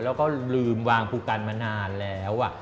แล้วก็ลืมวางภูกันมานานแล้ว